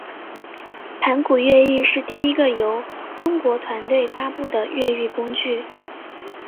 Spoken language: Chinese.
盘古越狱是第一个由中国团队发布的越狱工具。